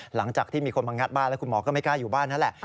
หลังจากที่มีคนพังงัดบ้านแล้วคุณหมอก็ไม่กล้าอยู่บ้านนั่นแหละ